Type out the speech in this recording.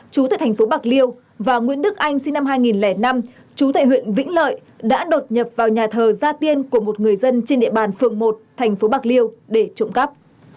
chú tại thành phố bạc liêu và nguyễn đức anh sinh năm hai nghìn năm chú tại huyện vĩnh lợi đã đột nhập vào nhà thờ gia tiên của một người dân trên địa bàn phường một thành phố bạc liêu để trộm cắp